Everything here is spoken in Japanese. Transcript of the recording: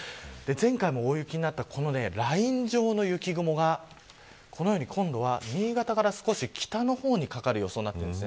前回も大雪になったライン状の雪雲がこのように新潟から北の方にかかる予想になっています。